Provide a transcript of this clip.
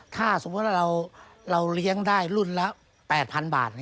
ถ้าสมมุติว่าเราเลี้ยงได้รุ่นละ๘๐๐๐บาท